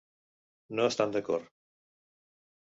No estan d'acord.